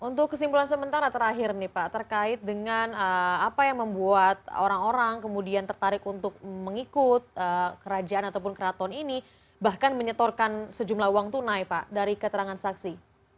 untuk kesimpulan sementara terakhir nih pak terkait dengan apa yang membuat orang orang kemudian tertarik untuk mengikut kerajaan ataupun keraton ini bahkan menyetorkan sejumlah uang tunai pak dari keterangan saksi